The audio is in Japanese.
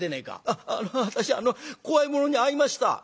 「あっあの私あの怖いものに会いました」。